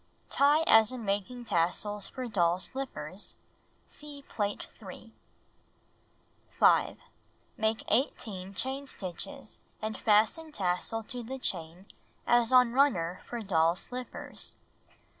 Tie as in making tassels for doll's slippers. (See Plate 3.) 5. Make 18 chain stitches, and fasten tassel to the chain as on runner for doll's slippers.